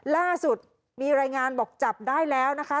ล่าสุดมีรายงานบอกจับได้แล้วนะคะ